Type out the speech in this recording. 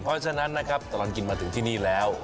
เพราะฉะนั้นนะครับตลอดกินมาถึงที่นี่แล้ว